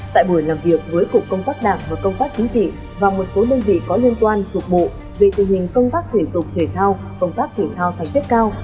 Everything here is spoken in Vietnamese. tại buổi làm việc với cục công tác đảng và công tác chính trị và một số đơn vị có liên quan thuộc bộ về tình hình công tác thể dục thể thao công tác thể thao thành tích cao